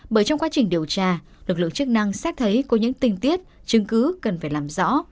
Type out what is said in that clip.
bởi trong quá trình điều tra lực lượng chức năng xét thấy có những tình tiết chứng cứ cần phải làm rõ